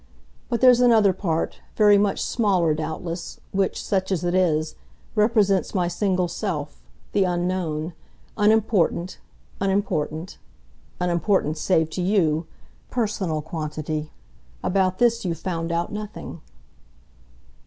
But there's another part, very much smaller doubtless, which, such as it is, represents my single self, the unknown, unimportant, unimportant unimportant save to YOU personal quantity. About this you've found out nothing."